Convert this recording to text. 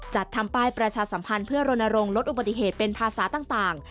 จัดทำป้ายประชาสัมพันธ์เพื่อรณรงค์ลดอุบัติเหตุเป็นภาษาต่าง